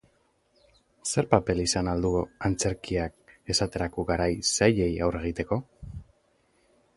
Zer paper izan ahal du antzerkiak esaterako garai zailei aurre egiteko?